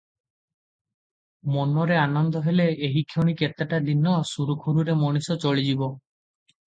ମନରେ ଆନନ୍ଦ ହେଲେ, ଏହିକ୍ଷଣି କେତୋଟା ଦିନ ସୁରୁଖୁରୁରେ ମଣିଷ ଚଳିଯିବ ।